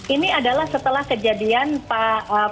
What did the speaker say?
ini adalah setelah kejadian pak